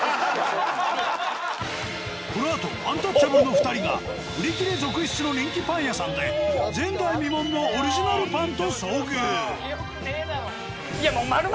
このあとアンタッチャブルの２人が売り切れ続出の人気パン屋さんで前代未聞のオリジナルパンと遭遇。